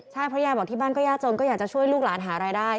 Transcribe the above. ใช่เพราะยายบอกที่บ้านก็ยากจนก็อยากจะช่วยลูกหลานหารายได้